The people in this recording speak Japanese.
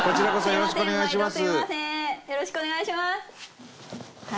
よろしくお願いします。